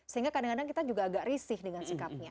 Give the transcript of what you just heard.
sehingga kadang kadang kita juga agak risih dengan sikapnya